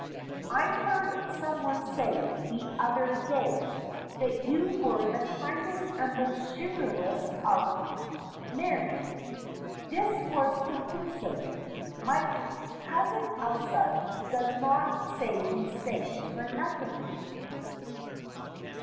I heard someone say the other SOME IMITATIONS 221 day that you were the kindest and most chivalrous of men." This was conclusive. My cousin Elsa does not say these things for nothing.